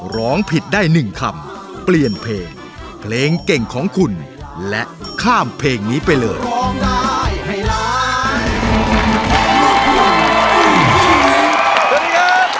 ร้องผิดได้หนึ่งคำเปลี่ยนเพลงเพลงเก่งของคุณและข้ามเพลงนี้ไปเลย